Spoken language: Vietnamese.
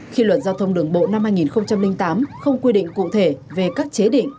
khi luật giao thông đường bộ năm hai nghìn tám không quy định cụ thể về các chế định